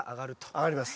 上がります。